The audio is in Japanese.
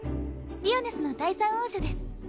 リオネスの第三王女です。